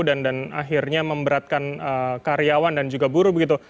dan akhirnya memberatkan karyawan dan juga buruh begitu